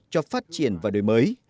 cho phát triển và đổi mới